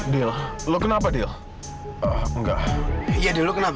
dan arahnya pada saat kesan